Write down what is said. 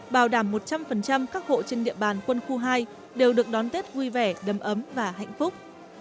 bảo đảm một trăm linh các hộ trên địa bàn quân khu hai đều được đón tết vui vẻ đầm ấm và hạnh phúc